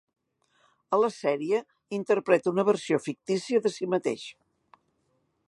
A la sèrie interpreta una versió fictícia de si mateix.